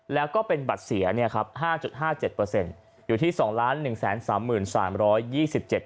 แล้วก็เป็นบัตรเสีย๕๕๗อยู่ที่๒๑๓๓๓๒๗ใบ